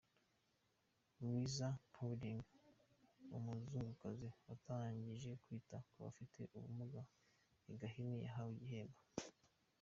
Lisa Harding, umuzungukazi watangije kwita kubafite ubumuga i Gahini yahawe igikombe.